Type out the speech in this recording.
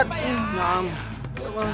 kenapa kau diam saja mau kalian